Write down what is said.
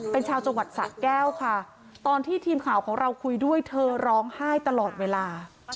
เป็นชาวจังหวัดสะแก้วค่ะตอนที่ทีมข่าวของเราคุยด้วยเธอร้องไห้ตลอดเวลา